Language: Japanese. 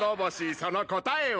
その答えは。